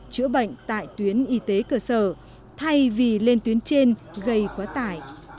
chữa bệnh tại tuyến y tế cơ sở thay vì lên tuyến trên gây quá tải